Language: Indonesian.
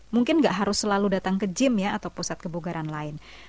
mungkin nggak harus selalu datang ke gym ya atau pusat kebugaran lain